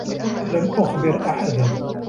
لم أخبر أحدا.